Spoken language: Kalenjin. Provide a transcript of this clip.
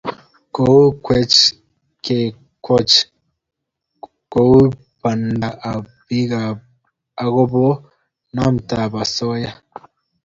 Kou kwekeny kekoch koborostoik kekoch poroindo kobarastochi pororiet agobo nametab osoya